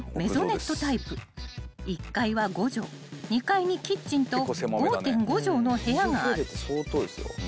［１階は５畳２階にキッチンと５．５畳の部屋がある］